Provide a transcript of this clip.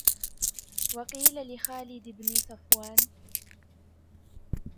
وَقِيلَ لِخَالِدِ بْنِ صَفْوَانَ